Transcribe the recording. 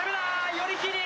寄り切り。